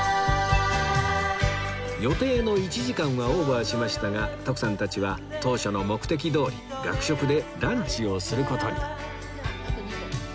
予定の１時間はオーバーしましたが徳さんたちは当初の目的どおり学食でランチをする事に